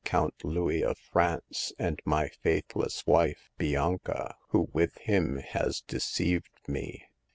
129 Count Louis from France and my faithless wife, Bianca, who with him has deceived me.